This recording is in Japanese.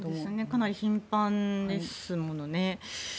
かなり頻繁ですものね。